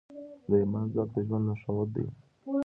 د ایمان ځواک د ژوند لارښود دی.